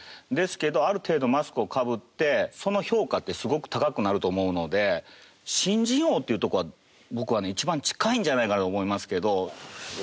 ですけどある程度マスクをかぶってその評価ってすごく高くなると思うので新人王というところは僕は一番近いんじゃないかなと思うんですけど。